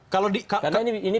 kalau di karena ini